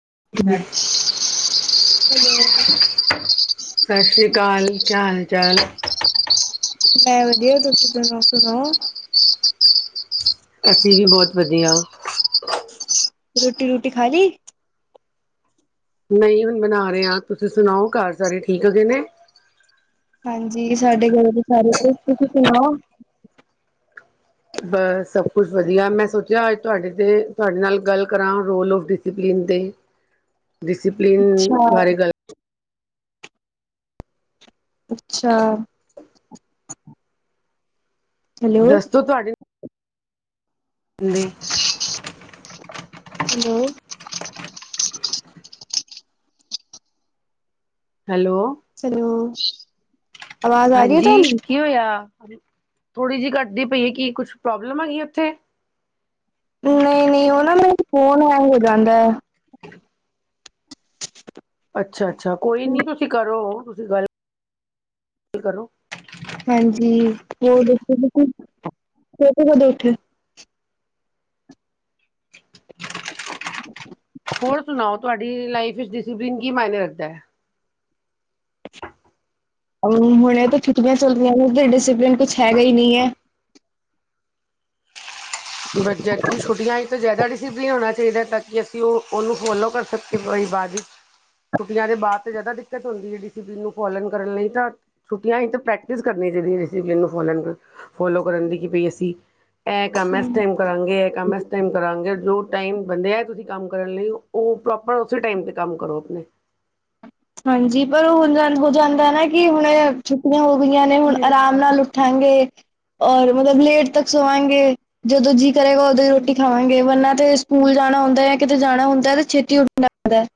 Hello ਸਤਿ ਸ੍ਰੀ ਅਕਾਲ ਕਿਆ ਹਾਲ ਚਾਲ ਮੈਂ ਵਧੀਆ ਤੁਸੀਂ ਸੁਣਾਓ ਅਸੀਂ ਵੀ ਬਹੁਤ ਵਧੀਆ ਰੋਟੀ ਰੂਟੀ ਖਾ ਲਈ ਨਹੀਂ ਹੁਣ ਬਣਾ ਰਹੇਹਾ ਤੁਸੀਂ ਸੁਣਾਓ ਘਰ ਸਾਰੇ ਠੀਕ ਹੈਗੇਏ ਨੇ ਹਾਂਜੀ ਸਾਡੇ ਘਰੇ ਦੇ ਸਾਰੇ ਤੁਸੀਂ ਸੁਣਾਓ ਬਸ ਸਭ ਕੁਛ ਵਧੀਆ ਮੈਂ ਸੋਚਿਆ ਅੱਜ ਤੁਹਾਡੇ ਤੇ ਤੁਹਾਡੇ ਨਾਲ ਗੱਲ ਕਰਾਂ ਰੋਲ ਆਫ ਡਿਸਪਲਿਨ ਤੇ ਡਿਸਿਪਲਿਨ ਅੱਛਾ ਵਾਰੇ ਗੱਲ ਅੱਛਾ ਹੈਲੋ ਦੱਸੋ ਤੁਹਾਡੇ [inaudible] ਹੈਲੋ ਹੈਲੋ ਹੈਲੋ, ਆਵਾਜ਼ ਆ ਰਹੀ ਹੈ ਹਾਂਜੀ ਤੁਹਾਨੂੰ ਕੀ ਹੋਇਆ ਥੋੜ੍ਹੀ ਜਿਹੀ ਘੱਟਦੀ ਪਈ ਹੈ ਕਿ ਕੁਛ ਪ੍ਰੋਬਲਮ ਹੈਗੀ ਉੱਥੇ ਨਹੀਂ ਨਹੀਂ ਉਹ ਨਾ ਮੈਂ ਫੌਣ ਐ ਹੋ ਜਾਂਦਾ ਹੈ ਅੱਛਾ ਅੱਛਾ ਕੋਈ ਨੀ ਤੁਸੀਂ ਕਰੋ ਤੁਸੀਂ ਗੱਲ ਕਰੋ ਹਾਂਜੀ ਹੋ ਕਦ ਉੱਠੇ [inaudible] ਹੋਰ ਸੁਣਾਓ ਤੁਹਾਡੀ ਲਾਈਫ ਵਿਚ ਡਿਸਪਲੇਨ ਕੀ ਮਨੇ ਰੱਖਦਾ ਹੈ ਹੁਣ ਇਹ ਤਾਂ ਛੁੱਟੀਆਂ ਚੱਲਦੀਆਂ ਨੇ ਡਿਸਿਪਲਿਨ ਕੁਛ ਹੈਗਾ ਹੀ ਨਹੀਂ ਹੈ ਬਚ ਛੁੱਟੀਆਂ ਹੀ ਜ਼ਿਆਦਾ ਡਸੀਪਲਿਨ ਹੋਣਾ ਚਾਹੀਦਾ ਤਾਂ ਕਿ ਅਸੀਂ ਉਹਨੂੰ ਫੋਲੋ ਕਰ ਸਕੀ ਭਾਈ ਬਾਅਦ ਵਿੱਚ ਛੁੱਟੀਆਂ ਦੇ ਬਾਅਦ ਤੇ ਜਿਆਦਾ ਦਿੱਕਤ ਹੁੰਦੀ ਹੈ ਨੂੰ ਫੋ ਕਰਨ ਲਈ ਤਾਂ ਛੁੱਟੀਆਂ ਹੀ ਪ੍ਰੈਕਟਿਸ ਕਰਨ ਦਿਸਕਿਪਲੀ ਨੂੰ ਫ ਫੋਲੋ ਕਰਨ ਦੀ ਕਿ ਭਈ ਅਸੀਂ ਇਹ ਕੰਮ ਇਸ ਟਾਈਮ ਕਰਾਂਗੇ ਇਹ ਕੰਮ ਇਸ ਟਾਈਮ ਕਰਾਂਗੇ ਜੋ ਟਾਈਮ ਬੰਦੇ ਹੈ ਤੁਸੀਂ ਕੰਮ ਕਰਨ ਲਈ ਉਹ ਪ੍ਰੋਪਰ ਉਸੇ ਟਾਈਮ ਤੇ ਕੰਮ ਕਰੋ ਆਪਣੇ ਹਾਂਜੀ ਪਰ ਉਹ ਹੁਣ ਹੋ ਜਾਂਦਾ ਨਾ ਕਿ ਹੁਣ ਛੁੱਟੀਆਂ ਹੋ ਗਈਆਂ ਨੇ ਹੁਣ ਆਰਾਮ ਨਾਲ ਉੱਠਾਂਗੇ [inaudible] ਔਰ ਮਤਲਬ ਲੇਟ ਤੱਕ ਸਵਾਂਗੇ ਜਦੋਂ ਜੀਅ ਕਰੇਗਾ ਉਦੋਂ ਹੀ ਰੋਟੀ ਖਾਵਾਂਗੇ ਵਰਨਾ ਤੇ ਸਕੂਲ ਜਾ ਜਾਣਾ ਹੁੰਦਾ ਜਾਂ ਕਿਤੇ ਜਾਣਾ ਹੁੰਦਾ ਹੈ ਤੇ ਛੇਤੀ ਉੱਡਣਾ ਹੁੰਦਾ ਹੈ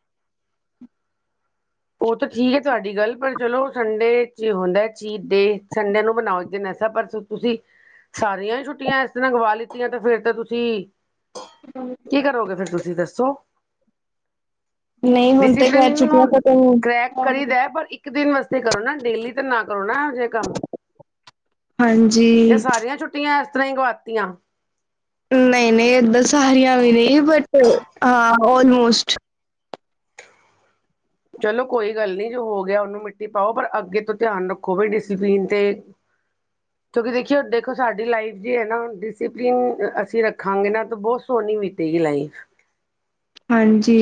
ਉਹ ਤਾਂ ਠੀਕ ਹੈ ਤੁਹਾਡੀ ਗੱਲ ਪਰ ਚਲੋ ਸੰਡੇ ਚ ਹੁੰਦਾ ਚੀਟ ਦੇ ਸੰਡੇ ਨੂੰ ਬਣਾਓ ਦਿਨ ਪਰ ਤੁਸੀਂ ਸਾਰੀਆਂ ਹੀ ਛੁੱਟੀਆਂ ਇਸ ਤਰ੍ਹਾਂ ਗਵਾ ਲਿੱਤੀਆਂ ਤੇ ਫੇਿਰ ਤਾਂ ਤੁਸੀਂ ਕੀ ਕਰੋਗੇ ਫੇਿਰ ਤੁਸੀਂ ਦੱਸੋ ਨਹੀਂ ਹੁਣ ਤੇ ਡਿਸਿਪਲਿਨ ਖੈਰ ਨੂੰ ਛੁੱਟੀਆਂ ਤਾਂ ਕਰੈਕ ਕਰੀ ਦਾ ਪਰ ਇੱਕ ਦਿਨ ਵਾਸਤੇ ਕਰੋ ਨਾ ਡੇਲੀ ਤਾਂ ਨਾ ਕਰੋ ਨਾ ਇਹੋ ਜਿਹੇ ਕੰਮ ਇਹ ਹਾਂਜੀ ਸਾਰੀਆਂ ਛੁੱਟੀਆਂ ਇਸ ਤਰ੍ਹਾਂ ਹੀ ਗਵਾਤੀਆਂ ਨਹੀਂ ਨਹੀਂ ਏਦਾਂ ਸਾਰੀਆਂ ਵੀ ਨਹੀਂ ਬਟ ਹਾਂ ਲਮੋਸਟ ਚਲੋ ਕੋਈ ਗੱਲ ਨਹੀਂ ਜੋ ਹੋ ਗਿਆ ਉਹਨੂੰ ਮਿੱਟੀ ਪਾਓ ਪਰ ਅੱਗੇ ਤੋਂ ਧਿਆਨ ਰੱਖੋ ਵੀ ਡਿਸਪਲੀਨ ਤੇ ਕਿਉਂਕਿ ਦੇਖੀਓ ਦੇਖੋ ਸਾਡੀ ਲਾਈਫ ਜੇ ਹੈ ਨਾ ਡਿਸਪਲਿਨ ਅਸੀਂ ਰੱਖਾਂਗੇ ਨਾ ਤਾਂ ਬਹੁਤ ਸੋਹਣੀ ਬੀਤੀ ਗਈ ਹਾਂਜੀ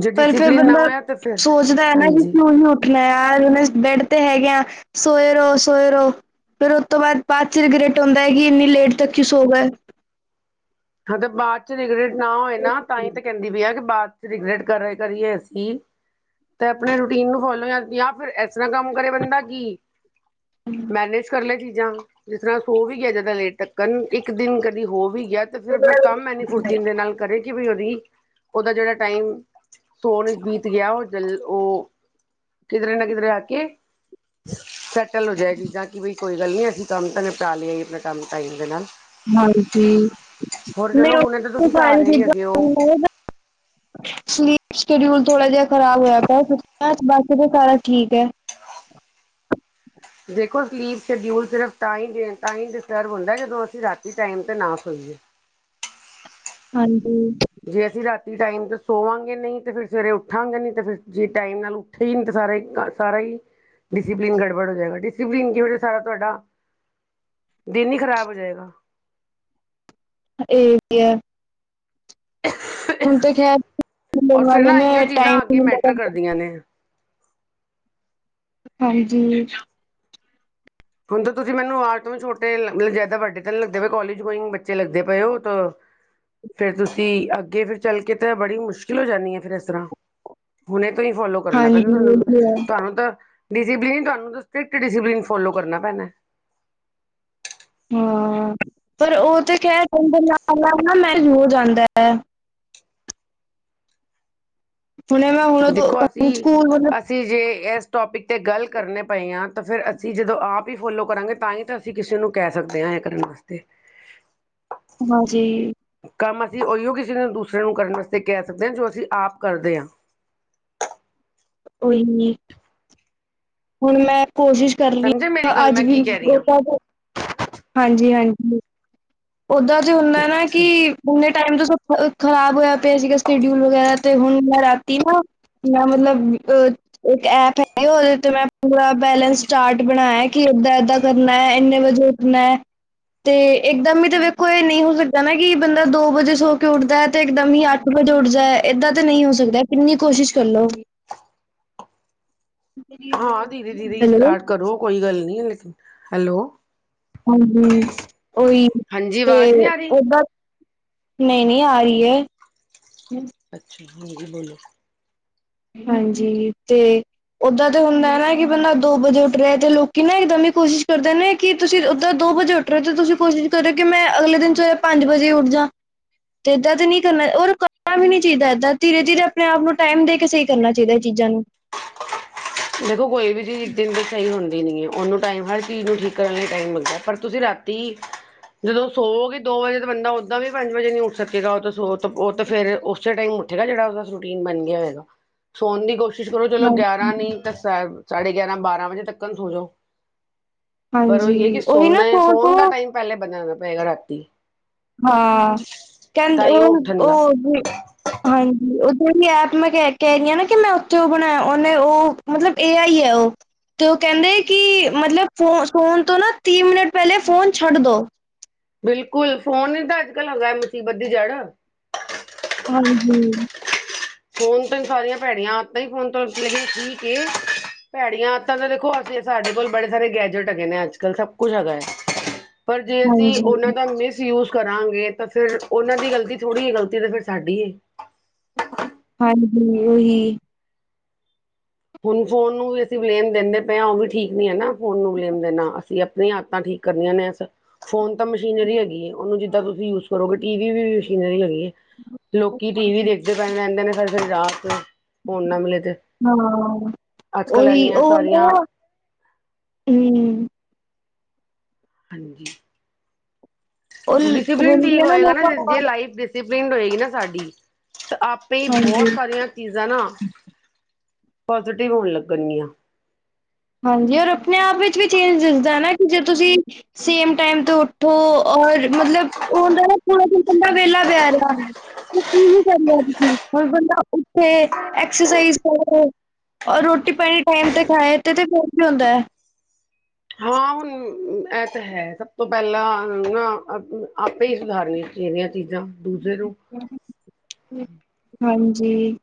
ਜੇ ਪਰ ਫਿਰ ਡਿਸਿਪਲਿਨ ਨਾ ਬੰਦਾ ਹੋਇਆ ਤਾਂ ਫਿਰ ਸੋਚਦਾ ਹੈ ਨਾ ਕਿ ਹਾਂਜੀ ਤੂੰ ਨਹੀਂ ਉੱਠਣਾ ਯਾਰ ਉਹਨੇ ਬੈਡ ਤੇ ਹੈਗੇ ਆ ਸੋਏ ਰੋਹ ਸੋਏ ਰੋ ਫਿਰ ਉਸ ਤੋਂ ਬਾਅਦ ਚ ਰਿਗਰਟ ਆਉਂਦਾ ਹੈ ਕਿ ਇੰਨੀ ਲੇਟ ਤੱਕ ਕਿਉਂ ਸੋ ਗਏ ਹਾਂ ਤੇ ਬਾਅਦ ਚ ਰਿਗਰੇਟ ਨਾ ਹੋਏ ਨਾ ਤਾਂ ਹੀ ਤੇ ਕਹਿੰਦੀ ਪਈ ਆ ਕਿ ਬਾਅਦ ਰਗਰਟ ਕਰਹੇ ਕਰੀਏ ਅਸੀਂ ਤੇ ਆਪਣੇ ਰੂਟੀਨ ਨੂੰ ਫੋਲੋ ਜਾਂ ਜਾਂ ਫਿਰ ਇਸ ਤਰ੍ਹਾਂ ਕੰਮ ਕਰੇ ਬੰਦਾ ਕਿ ਮੈਨੇਜ ਕਰ ਲਏਗੀ ਜਾਂ ਜਿਸ ਤਰ੍ਹਾਂ ਸੋ ਵੀ ਗਿਆ ਜਿਆਦਾ ਲੇਟ ਤੱਕ ਇੱਕ ਦਿਨ ਕਦੀ ਹੋ ਵੀ ਗਿਆ ਤੇ ਫਿਰ ਆਪਣਾ ਕੰਮ ਇਨੀ ਫੁਰਤੀ ਦੇ ਨਾਲ ਕਰੇ ਕਿ ਬਈ ਬੰਦਾ ਉਹ ਦਾ ਜਿਹੜਾ ਟਾਈਮ ਸੋਨ ਬੀਤ ਗਿਆ ਉਹ ਜਲ ਉਹ ਕਿਧਰੇ ਨਾ ਕਿਧਰੇ ਆ ਕੇ ਸੈਟਲ ਹੋ ਜਾਏ ਚੀਜ਼ਾਂ ਕਿ ਬਈ ਕੋਈ ਗੱਲ ਨੀ ਅਸੀਂ ਕੰਮ ਤਾਂ ਨਿਪਟਾ ਲਿਆ ਆਪਣਾ ਕੰਮ ਟਾਈਮ ਦੇ ਨਾਲ ਹਾਂਜੀ ਹੋਰ ਮੈਂ ਚਲੋ ਹੁਣੇ ਤਾਂ ਉਥੋਂ ਤੁਸੀਂ ਘਰ ਸਾਰੀ ਹੀ ਹੈਗੇ ਹੋ ਚੀਜ਼ਾਂ [unintelligible] ਸ਼ਡਿਊਲ ਥੋੜਾ ਜਿਹਾ ਖ਼ਰਾਬ ਹੋਇਆ ਪਿਆ ਬਾਕੀ ਤੇ ਸਾਰਾ ਠੀਕ ਹੈ ਦੇਖੋ ਸਲੀ ਸ਼ਡਿਊਲ ਸਿਰ ਡਿਸਟਰਬ ਹੁੰਦਾ ਜਦੋਂ ਅਸੀਂ ਰਾ ਟਮ ਤੇ ਨਾਈ ਠੀਕ ਹੈ ਹਾਂਜੀ ਜੇ ਅਸੀਂ ਰਾਤੀ ਟਾਈਮ ਤੋਂ ਸੋਵਾਂਗੇ ਨਹੀਂ ਤੇ ਫਿਰ ਸਵੇਰੇ ਉੱਠਾਂਗੇ ਨੀ ਤੇ ਫ ਜੇ ਟਾਈਮ ਨਾਲ ਉੱਠੇ ਹੀ ਨ ਸਾਰਾ ਹੀ ਸਾਰਾ ਹੀ ਡਿਸਿਪਲਿਨ ਗੜਬੜ ਹੋ ਜਾਏਗਾ ਡਿਸਪਲਨ ਕੀ ਹੋਹਾ ਸਾਰਾ ਤੁਹਾਡਾ ਦਿਨ ਹੀ ਖ਼ਰਾਬ ਹੋ ਜਾਏਗਾ ਇਹ ਵੀ ਹੈ ਹੁਣ ਤਾਂ ਔਰ ਖਰਣ ਫਿਰ ਵਾਲੇ ਨਾ ਇਹੀਓ ਨੇ ਟਾਈਮ ਚੀਜ਼ਾਂ ਅੱਗੇ ਮੈਟਰ [unintelligible] ਕਰਦੀਆਂ ਨੇ ਹਾਂਜੀ ਹੁਣ ਤਾਂ ਤੁਸੀਂ ਮੈਨੂੰ ਆਰ ਤੋਂ ਵੀ ਛੋਟੇ ਜਦਾ ਵੱਡੇ ਤਾਂ ਲੱਗਦੇ ਪਏ ਕਾਲਜ ਗਈ ਬੱਚੇ ਲੱਗਦੇ ਪਏ ਹੋ ਫਿਰ ਤੁਸੀਂ ਅੱਗੇ ਫਿਰ ਚੱਲ ਕੇ ਤਾਂ ਬੜੀ ਮੁਸ਼ਕਿਲ ਹੋ ਜਾਂਦੀ ਹੈ ਫਿਰ ਇਸ ਤਰ੍ਹਾਂ ਹੁਣੇ ਫੋਲੋ ਕਰਨਾ ਹਾਂਜੀ ਪਦਾ ਇਹ ਤੁਹਾਨੂੰ ਵੀ ਹੈ ਤੁਹਾਨੂੰ ਤਾਂ ਡਿਸਪਲਨ ਤੁਹਾਨੂੰ ਸਟ੍ਰਿਕਟ ਡਿਸਪਲਨ ਫੋਲੋ ਕਰਨਾ ਪੈਣਾ ਹਾਂ ਪਰ ਉਹ ਤੇ ਕਹਿ ਦ ਨਾਲ ਨਾਲ ਨਾ ਮੈ ਹੋ ਜਾਂਦਾ ਹੈ ਹੁਣੇ ਮੈਂ ਹੁਣ ਦੇਖੋ ਅਸੀਂ ਹੁਣ ਸਕੂਲ ਮਤਲਬ ਅਸੀਂ ਜੇ ਇਸ ਟੋਪਿਕ 'ਤੇ ਗੱਲ ਕਰਨੇ ਪਏ ਹਾਂ ਤਾਂ ਫਿਰ ਅਸੀਂ ਜਦੋਂ ਆਪ ਹੀ ਫੋਲੋ ਕਰਾਂਗੇ ਤਾਂ ਹੀ ਤਾਂ ਅਸੀਂ ਕਿਸੇ ਨੂੰ ਕਹਿ ਸਕਦੇ ਹਾਂ ਕਰਨ ਵਾਸਤੇ ਹਾਂਜੀ ਕੰਮ ਅਸੀਂ ਉਹੀਓ ਕਿਸੇ ਨੂੰ ਦੂਸਰੇ ਨੂੰ ਕਰਨ ਵਾਸਤੇ ਕਹਿ ਸਕਦੇ ਹਾਂ ਜੋ ਅਸੀਂ ਆਪ ਕਰਦੇ ਹਾਂ ਉਹੀ ਹੁਣ ਮੈਂ ਕੋਸ਼ਿਸ਼ ਕਰ ਰਹੀ ਸਮਝੇ ਮੇਰੀ ਗੱਲ ਅੱਜ ਮੈਂ ਵੀ ਕੀ ਕਹਿ ਰਹੀ ਹਾਂ [unintelligible] ਹਾਂਜੀ ਹਾਂਜੀ ਓਦਾਂ ਜ ਹੁੰਦਾ ਨਾ ਅੱਛਾ ਕਿ ੰਨੇ ਟਾਈਮ ਤੋਂ ਸ ਖ਼ਰਾਬ ਹੋਇਆ ਪਿਆ ਸੀਗਾ ਸ਼ਡਿਊਲ ਵਗੈਰਾ ਤੇ ਹੁਣ ਮੈਂ ਰਾਤੀ ਨਾ ਮ ਮਤਲਬ ਅ ਇੱਕ ਐਪ ਹੈਗੀ ਉਹਦੇ ਤੋਂ ਮੈਂ ਪੂਰਾ ਬੈਲੈਂਸ ਚਾਰਟ ਬਣਾਇਆ ਕਿ ਏਦਾਂ ਏਦਾਂ ਕਰਨਾ ਹੈ ਇੰਨੇ ਵਜੇ ਉੱਠਨਾ ਹੈ ਤੇ ਇੱਕਦਮ ਤੇ ਵੇਖੋ ਇਹ ਨਹੀਂ ਹੋ ਸਕਦਾ ਨਾ ਕਿ ਬੰਦਾ ਦੋ ਵਜੇ ਸੋ ਕੇ ਉੱਠਦਾ ਹੈ ਤੇ ਇਕ ਦਦਮ ਹੀ ਅੱਠ ਵਜੇ ਉੱਠਦਾ ਇਏਦਾਂ ਤੇ ਨਹੀਂ ਨਹੀਂ ਹੋ ਸਕਦਾ ਕਿੰਨੀ ਕੋਸ਼ਿਸ਼ ਕਰ ਲਓ ਹਾਂ ਦੀਦੀ ਦੀ ਹੈਲੋ ਸਟਾਰਟ ਕਰੋ ਕੋਈ ਗੱਲ ਨਹੀਂ ਲੇਕਨ ਹੈਲੋ ਹਾਂਜੀ ਓਹੀ ਹਾਂਜੀ ਤੇ ਆਵਾਜ਼ ਨਹੀਂ ਆ ਰਹੀ ਦ ਨਹੀਂ ਨਹੀਂ ਆ ਰਹੀ ਹੈ ਅੱਛਾ ਹਾਂਜੀ ਬੋਲੋ ਹਾਂਜੀ ਤੇ ਓਦਾਂ ਤੇ ਹੁੰਦਾ ਹੈ ਨਾ ਕਿ ਬੰਦਾ ਦੋ ਵਜੇ ਉੱਠ ਰਿਹਾ ਤੇ ਲੋਕੀ ਨਾ ਇਕਦਮ ਹੀ ਕੋਸ਼ਿਸ਼ ਕਰਦੇ ਨੇ ਕਿ ਤੁਸੀਂ ਉੱਦਾਂ ਦੋ ਦੋ ਵਜੇ ਉੱਠ ਰਹੇ ਤੇ ਤੁਸੀਂ ਕੋਸ਼ਿਸ਼ ਕਰਿਓ ਕਿ ਮੈਂ ਅਗਲੇ ਦਿਨ ਚ ਪੰਜ ਵਜੇ ਉੱਠ ਜਾ ਤੇ ਏਦਾਂ ਤੇ ਨਹੀਂੀ ਕਰਨਾ ਰ ਕਰਨਾ ਵੀ ਨੀ ਚਾਹੀਦਾ ਏਦਾਂ ਧੀਰੇ ਧੀਰੇ ਆਪਣੇ ਆਪ ਨੂੰ ਟਾਈਮ ਦੇ ਕੇ ਕਿਸੇ ਕਰਨਾ ਚਾਹੀਦਾ ਇਹ ਚੀਜ਼ਾਂ ਨੂੰ ਦੇਖੋ ਕੋਈ ਵੀ ਚੀਜ਼ ਇੱਕ ਦਿਨ ਦੀ ਸਹੀ ਹੁੰਦੀ ਉਹਨੂੰ ਟਾਈਮ ਹਰ ਚੀਜ਼ ਨੂੰ ਠੀਕ ਕਰਨ ਲਈ ਟਾਈਮ ਲਗਦਾ ਪਰ ਤੁਸੀਂ ਰਾਤੀ ਜਦੋਂ ਸੋ ਗਗੀ ਦੋ ਵਜੇ ਤੋਂ ਬੰਦਾ ਓਦਾਂ ਵੀ ਪੰਜ ਵਜੇ ਨੀ ਉੱਠ ਸਕੇਗਾ ਉਹ ਸੋ ਉਹ ਤਾਂ ਫੇਿਰ ਉਸੇ ਟਾਈਮ ਉੱਠੇਗਾ ਜਿਹੜਾ ਉਸਦਾ ਰੂਟੀਨ ਬਣ ਗਿਆ ਹੋਏਗਾ ਸੋਣ ਦੀ ਕੋਸ਼ਿ ਕੋਸ਼ਿਸ਼ ਕਰੋ ਹਾਂ ਚਲੋ ਗਿਆਰਾਂ ਨੀ ਤਾਂ ਸਾਢੇ ਗਿਆਰਾਂ ਬਾਰਾਂ ਵਜੇ ਤੱਕ ਨੂੰ ਹੋ ਜਾੋ ਪਰ ਉਹੀ ਹੈ ਕਿ ਹਾਂਜੀ ਨਾ ਸੋਨਾ ਕੋਲ ਕੋ ਸੋਨ ਦਾ ਟਾਈਮ ਪਹਿਲੇ ਬਦਣਾ ਪਏਗਾ ਰਾਤੀ ਹਾਂ ਕਹਿੰਦੇ ਤਾਂਹੀਓ ਉਹ ਉੱਠਣ ਦਾ ਉਹ ਹਾਂਜੀ ਉਹ ੜੀ ਐਪ ਮੈਂ ਕਹਿ ਕਹਿ ਰਹੀ ਹ ਨਾ ਕਿ ਮੈਂ ਉੱਥੇ ਉਹ ਬਣਾਇਆ ਉਹਨੇ ਉਹ ਮਤਲਬ ਇਹ ਆ ਹੀ ਹੈ ਉਹ ਤੇ ਉਹ ਕਹਿੰਦੇ ਕਿ ਮਤਲਬ ਫੋ ਫੋਨ ਤੋਂ ਨਾ ਤੀਹ ਮਿੰਟ ਪਹਿਲੇ ਫੋਨ ਛੱਡ ਦੋ ਬਿਲਕੁਲ ਫੋਨ ਨੀ ਤਾਂ ਅੱਜ ਕੱਲ ਹਦਾ ਮਚੀਬਧੀ ਜੜ ਹਾਂਜੀਮ ਫੋਨ ਤੋਂ ਹੀ ਸਾਰੀਆਂ ਭੈੜੀਆਂ ਆਤਾ ਹੀ ਫੋਨ ਤੋਂ ਲ ਕੀ ਕੇ ਭੈੜੀਆਂ ਆਤਾਂ ਤਾਂ ਦੇਖੋ ਅਸੀਂ ਸਾਡੇ ਕੋਲ ਬੜੇ ਸਾਰੇ ਗੈਜਟ ਹੈਗੇ ਨੇ ਅੱਜ ਕੱਲ ਸਭ ਕੁੱਛ ਹੈਗਾ ਹੈ ਪਰ ਜੇ ਅਸੀਂ ਹਾਂਜੀ ਉਹਨਾਂ ਦਾ ਮਿਸ ਯੂਜ ਕਰਾਂਗੇ ਤਾਂ ਫੇਿਰ ਉਹਨਾਂ ਦੀ ਗਲਤੀ ਥੋੜ੍ਹੀ ਹੈ ਗਲਤੀ ਤੇ ਫੇਿਰ ਸਾਡੀ ਹੈ ਹਾਂਜੀ ਉਹੀ- ਹੁਣ ਫੋਨ ਨੂੰ ਵੀ ਅਸੀ ਬਲੇਮ ਦਿਦੇ ਪਏ ਹਾਂ ਉਹ ਵੀ ਠੀਕ ਨੀ ਹ ਨਾ ਫੋਨ ਨੂੰ ਬਲੇਮ ਦੇਣਾ ਅਸੀ ਆਪਣੀਆਂ ਹਾਤਾਂ ਠੀਕ ਕਰਨੀਆਂ ਨੇ ਫੋਨ ਤਾਂ ਮਸ਼ੀਨਰੀ ਹੈਗੀਏ ਉਹਨੂੰ ਜਿਦਾ ਤੁਸੀ ਯੂਜ ਕਰੋਗੇ ਟੀ ਵੀ ਮਸ਼ੀਨਰੀ ਹੈਗੀ ਹੈ। ਲੋਕੀ ਟੀ ਵੀ ਦੇਖਦੇ ਰਹਿਦੇ ਨੇ ਸਾਰੀ- ਸਾਰੀ ਰਾਤ ਫੋਨ ਨਾ ਮਿਲੇ ਤੇ ਹਾਂ ਅੱਜ ਕੱਲ੍ਹ ਉਹੀ ਇੰਨੀਆਂ ਉਹ ਸਾਰੀਆਂ ਹੂ- ਹਾਂਜੀ ਉਹ ਹੁੰਦੀ ਡਿਸਿਪਲਿਨ ਹੈ ਹੋਏਗਾ ਨਾ ਲੋਕਾਂ ਜੇ ਕੋਲ। ਲਾਈਫ ਡਿਸਿਪਲਿਨ ਪਿਡ ਹੋਏਗੀ ਨਾ ਸਾਡੀ ਤੇ ਆਪੇ ਹੀ ਬਹੁਤ ਹਾਂਜੀ ਸਾਰੀਆਂ ਚੀਜਾ ਨਾ ਪਜ਼ਟਿਵ ਹੋਣ ਲੱਗਣੀਆਂ ਹਾਂਜੀ ਔਰ ਆਪਣੇ ਆਪ ਵਿਚ ਵੀ ਚੇਜ ਦਿਸਦਾ ਨਾ ਕਿ ਜੇ ਤੁਸੀ ਸੇਮ ਟਾਈਮ ਤੇ ਉਠ ਔਰ ਮਤਲਬ ਉਹਨਾਂ ਦਾ ਉਦਾਂ ਬੰਦਾ ਵਿਹਲਾ ਪੈ ਰਿਹਾ ਕੀਨੀ ਕਰਹਾ ਤੁਸੀ ਹੁਣ ਬੰਦਾ ਉਠੇ ਐਕਸਰਸਾਈਜ਼ ਕਰੇ। ਰੋਟੀ ਪਾਣੀ ਟਾਈਮ ਤੇ ਖਾਏ ਤੇ ਤੇ ਫਰਕ ਵੀ ਹੁਦਾ ਹੈ। ਹਾਂ ਹੁਣ- ਇਹ ਤਾਂ ਹੈ। ਸਭ ਤੋਂ ਪਹਿਲਾ ਨਾ ਆਪੇ ਹੀ ਸੁਧਾਰਨੀਆਂ ਚਾਹੀਦੀਆਂ ਚੀਜ਼ਾਂ ਦੂਸੇ ਨੂੰ ਹਾਂਜੀ-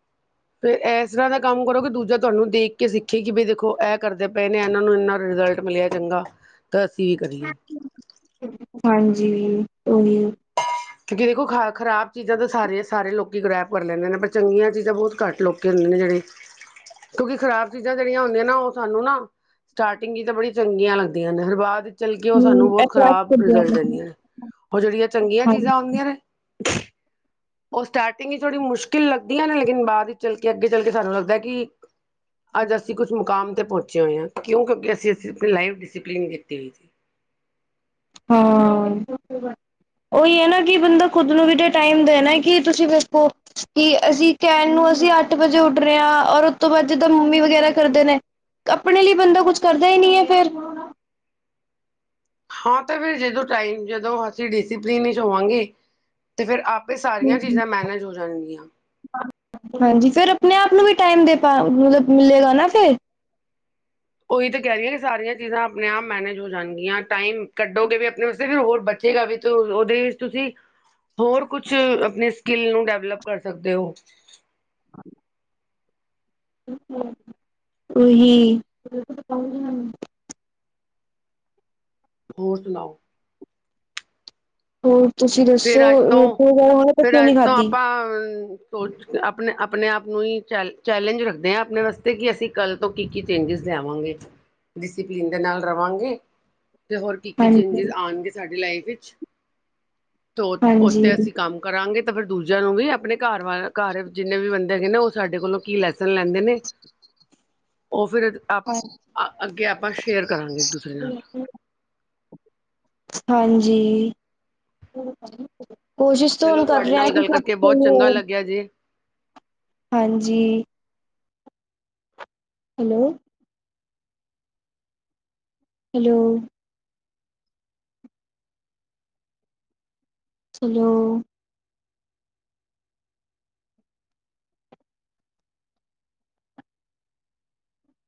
ਫੇਰ ਇਸ ਤਰਾ ਦਾ ਕਮ ਕਰੋ ਕਿ ਦੂਜਾ ਤੁਹਾਨੂੰ ਦੇਖ ਕੇ ਸਿਖੇ ਕਿ ਬਈ ਦੇਖੋ ਇਹ ਕਰਦੇ ਪਏ ਨੇ ਇਹਨਾ ਨੂੰ ਇਹਨਾ ਰਿਜ਼ਲਟ ਮਿਲਿਆ ਚੰਗਾ ਤਾਂ ਅਸੀ ਵੀ ਕਰੀਏ ਜੀ ਉਹੀ- ਕਿਉਕਿ ਦੇਖੋ ਖਰਾਬ ਚੀਜਾ ਤਾਂ ਸਾਰੇ ਸਾਰੇ ਲੋਕੀ ਕੈਚ ਕਰ ਲੈਂਦੇ ਨੇ ਪਰ ਚੰਗੀਆਂ ਚੀਜਿ ਬਹੁਤ ਘਟ ਲੋਕੁੰ ਜਿਹੜੇ ਕਿਉਕਿ ਖਰਾਬ ਚੀਜਾ ਜਿਹੜੀਆਂ ਹੁਦੀਆਂ ਨਾ ਉਹ ਸਾਨੂੰ ਨਾ ਸਟਾਰਟਿੰਗ ਹੀ ਤਾਂ ਬੜੀਆਂ ਚੰਗੀਆਂ ਲਗਦੀਆਂ ਨੇ ਹਰ ਬਾਅਦ ਚਲ ਕੇ ਉਹ ਹੂੰ, ਸਾਨੂੰ ਬਹੁਤ ਅਟਰੈਕਟ ਖ਼ਰਾਬ ਰਿਜ਼ਲਟ ਕਰਦੇ ਦਿਦੀਆਂ ਨੇ ਉਹ ਜਿਹੜੀਆਂ ਚਗੀਆਂ ਹਾਂ ਚੀਜਾ ਆਉਦੀਆਂ ਨੇ [unintelligible] ਉਹ ਸਟਾਰਟਿਗ ਚ ਥੋੜੀ ਮੁਸ਼ਕਿਲ ਲਗਦੀਆਂ ਨੇ ਲੇਕਿਨ ਬਾਅਦ ਵਿਚ ਚਲ ਕੇ ਅਗੇ ਚਲ ਕੇ ਸਾਨੂੰ ਲਗਦਾ ਕਿ ਅਜ ਅਸੀ ਕੁਛ ਮੁਕਾਮ ਤੇ ਪਹੁਚੇ ਹੋਏ ਹਾਂ ਕਿਉ ਕਿਉਕਿ ਅਸੀ ਅਸੀ ਆਪ ਲਾਈਫ ਡਿਸਪਲਿਨ ਦਿਤੀ ਹੋਈ ਸੀ ਹਾਂ- ਉਹੀ ਹੈ ਨਾ ਕਿ ਬੰਦਾ ਖੁਦ ਨੂੰ ਵੀ ਤੇ ਟਾਈਮ ਦੇ ਨਾ ਕਿ ਤੁਸੀ ਦਸੋ ਕਿ ਅਸੀ ਕ ਮੈਨੋ ਅਸੀ ਅਠ ਵਜੇ ਉਠ ਰਹਾ ਔਰ ਉਸ ਤੋਂ ਬਾਅਦ ਜਿਦਾ ਮੰਮੀ ਵਗੈਰਾ ਕਰਦੇ ਨੇ ਆਪਣੇ ਲਈ ਬਦਾ ਕੁਝ ਕਰਦਾ ਹੀ ਨਹੀ ਹੈ। ਫੇਰ ਹਾਂ ਤੇ ਫਿਰ ਜਦੋ ਟਾਈਮ ਜਦੋ ਅਸੀ ਡਿਸੀਪਲਨ ਵਿਚ ਹੋਵਾਂਗੇ ਤੇ ਫਿਰ ਸਾਰੀਆਂ ਚੀਜ਼ਾਂ ਮੈਨੇਜ ਹੋ ਜਾਣਗੀਆਂ। ਹਾਂਜੀ ਫਿਰ ਆਪਣੇ ਆਪ ਨੂੰ ਵੀ ਟਾਈਮ ਦੇ ਪਾ ਮਤਲਬ ਮਿਲੇਗਾ ਨਾ ਫਿਰ ਉਹੀ ਤਾਂ ਕਹਿ ਰਹੀਆਂ ਕਿ ਸਾਰੀਆਂ ਚੀਜ਼ਾਂ ਆਪਣੇ ਆਪ ਮੈਨੇਜ ਹੋ ਜਾਣਗੀਆਂ ਟਾਈਮ ਕਢੋਗੇ ਵੀ ਆਪਣੇ ਵਾਸਤੇ ਫਿਰ ਹੋਰ ਬੱਚੇ ਫੇਰ ਵੀ ਉਹਦੇ ਵਿਚ ਤੁਸੀ ਹੋਰ ਕੁਛ ਆਪਣੇ ਸਕਿਲ ਨੂੰ ਡੈਵਲਪ ਕਰ ਸਕਦੇ ਹੋ। ਉਹੀ- ਹੋਰ ਸੁਣਾਓ- ਹੋਰ ਤੁਸੀ ਦਸੋ ਫਿਰ ਅੱਜ ਤੋਂ ਰੋਟੀ ਵਗੈ ਹੋ ਤਾਂ ਕਿਉ ਨਹੀ ਖਾਧੀ ਸੋਚ ਆਪਣੇ ਆਪਣੇ ਆਪ ਨੂੰ ਹੀ ਚੈਲੇਂਜ ਰਖਦੇ ਹਾਂ ਆਪਣੇ ਵਾਸਤੇ ਕਿ ਅਸੀ ਕਲ ਤੋ ਕੀ ਕੀ ਚੇਂਜਿਸ ਲਿਆਵਾਂਗੇ ਡਿਸਪਲਿਨ ਦੇ ਨਾਲ ਰਵਾਂਗੇ ਅਤੇ ਹੋਰ ਕੀ ਕੀ ਹਾਂਜੀ ਚੇਂਜ ਆਉਣਗੇ ਸਾਡੀ ਲਾਈਫ ਵਿਚ ਉਥੇ ਅਸੀ ਕਮ ਕਰਾਗੇ ਫਿਰ ਦੂਜਿਆਂ ਨੂੰ ਵੀ ਆਪਣੇ ਘਰ ਘਰ ਜਿਨੇ ਵੀ ਬਦੇ ਹੈਗੇ ਨੇ ਉਹ ਸਾਡੇ ਕੋਲੋ ਕੀ ਲੈਸਨ ਲੈਦੇ ਨੇ ਉਹ- ਫਿਰ ਆਪ ਹਾਂਜੀ ਅਗੇ ਆਪਾ ਸ਼ੇਅਰ ਕਰਾਗੇ ਇੱਕ ਦੂਸਰੇ ਨਾਲ ਹਾਂਜੀ- ਕੋਸ਼ਿਸ਼ ਤਾਂ ਚਲੋ ਹੁਣ ਕਰ ਤੁਹਾਡੇ ਰਿਹਾ ਨਾਲ ਕਿ ਗੱਲ ਸਭ ਕਰਕੇ ਬਹੁਤ ਚੰਗਾ ਲੱਗਿਆ ਜੀ ਹਾਂਜੀ- ਹੈਲੋ- ਹੈਲੋ। ਸਲੋ।